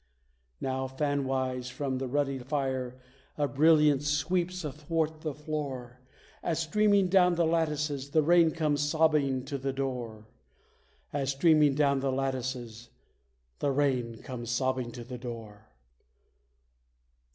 Now, fan wise from the ruddy fire, a brilliance sweeps athwart the floor; As, streaming down the lattices, the rain comes sobbing to the door: As, streaming down the lattices, The rain comes sobbing to the door.